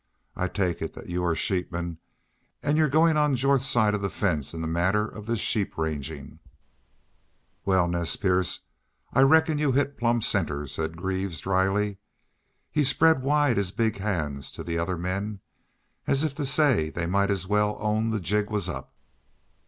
I take it that you are sheepmen, an' you're goin' on Jorth's side of the fence in the matter of this sheep rangin'.' "'Wal, Nez Perce, I reckon you hit plumb center,' said Greaves, dryly. He spread wide his big hands to the other men, as if to say they'd might as well own the jig was up.